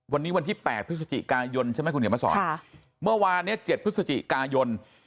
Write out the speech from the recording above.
วันนี้วันที่๘พฤศจิกายนใช่ไหมคุณเขียนมาสอนเมื่อวานเนี่ย๗พฤศจิกายน